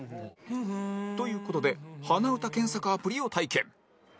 という事で鼻歌検索アプリを体験